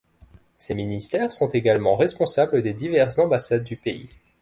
Ces ministères sont également responsables des diverses ambassades du pays.